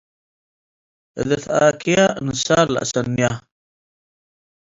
እዴ ተኣክየ ንሳል ለአስንየ።